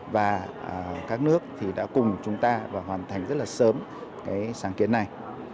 và các nước đã cùng chúng ta và hoàn thành rất sớm sáng kiến này